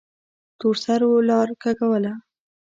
تورسرو لار کږوله.